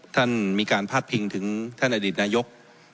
ท่านมีการพาดพิงถึงท่านอดีตนายก